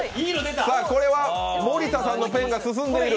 これは森田さんのペンが進んでいる。